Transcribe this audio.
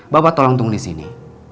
bapak tolong tunggu disini